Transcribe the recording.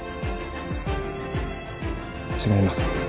違います。